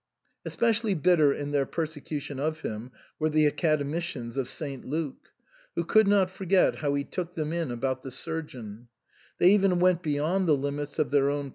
Especially bitter in their perse cution of him were the Academicians of St. Luke, who could not forget how he took them in about the sur geon ; they even went beyond the limits of their own.